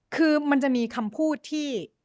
คือมันจะมีคำพูดที่